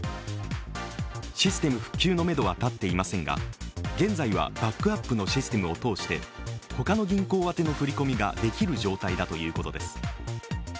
システム復旧のめどはたっていませんが現在はバックアップのシステムを通して他の銀行あての振り込みができる状態だということです。